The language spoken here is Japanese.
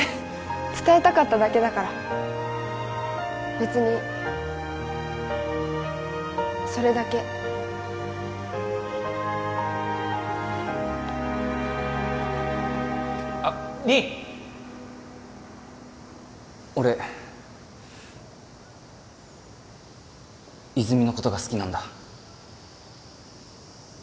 伝えたかっただけだから別にそれだけあっ凛俺泉のことが好きなんだ